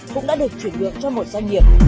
cũng đã được chuyển nhượng cho một doanh nghiệp